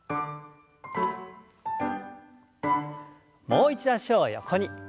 もう一度脚を横に。